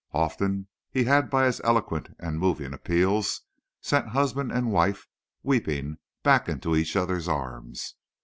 Often had he by his eloquent and moving appeals sent husband and wife, weeping, back into each other's arms.